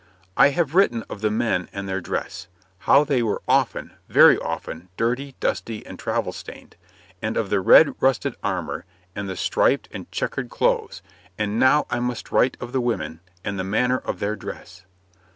I have written of the men and their dress how they were often very often dirty, dusty, and travel stained of the red rusted armour and the striped and chequered clothes, and now I must write of the women and the manner of their dress.